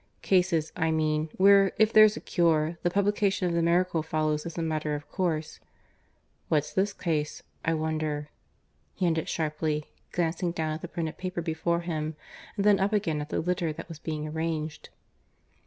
Cases, I mean, where, if there's a cure, the publication of the miracle follows as a matter of course. ... What's this case, I wonder?" he ended sharply, glancing down at the printed paper before him, and then up again at the litter that was being arranged.